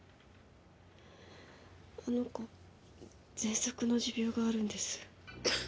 あの子ぜんそくの持病があるんです。